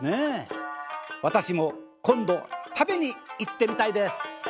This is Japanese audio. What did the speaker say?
私も今度食べに行ってみたいです。